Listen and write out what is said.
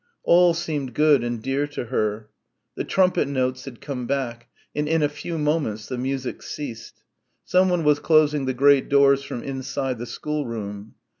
All seemed good and dear to her. The trumpet notes had come back, and in a few moments the music ceased.... Someone was closing the great doors from inside the schoolroom.